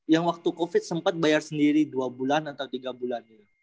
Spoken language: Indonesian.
yang waktu covid sempat bayar sendiri dua bulan atau tiga bulan